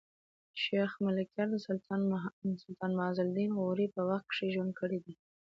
شېخ ملکیار د سلطان معز الدین غوري په وخت کښي ژوند کړی دﺉ.